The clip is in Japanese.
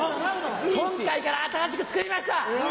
今回から新しく作りました！